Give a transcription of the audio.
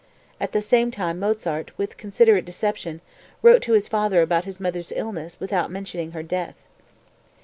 At the same time Mozart, with considerate deception, wrote to his father about his mother's illness without mentioning her death.)